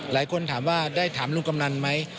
หลายคนถามว่าได้ถามลุงกำนันไหม